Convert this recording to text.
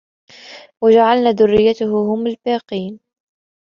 وجعلنا ذريته هم الباقين